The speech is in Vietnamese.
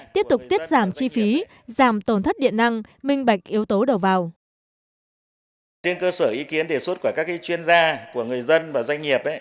tiếp tục tiết giảm chi phí giảm tổn thất điện năng minh bạch yếu tố đầu vào